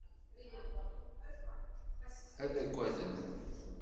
Ad agaden.